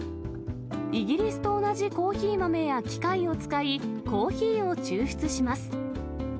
イギリスと同じコーヒー豆や機械を使い、コーヒーを抽出します。